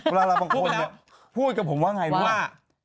เวลาลาบางคนเนี่ยพูดกับผมว่าไงว่า